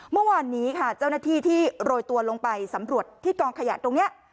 เมื่อวานนี้ค่ะเจ้าหน้าที่ที่โรยตัวลงไปสำรวจที่กองขยะตรงนี้